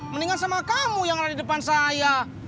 mendingan sama kamu yang ada di depan saya